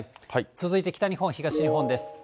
続いて北日本、東日本です。